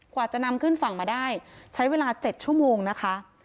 กว่าจะนำขึ้นฝั่งมาได้ใช้เวลา๗ชั่วโมงนะคะ